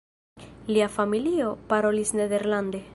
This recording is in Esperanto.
Lia familio parolis nederlande.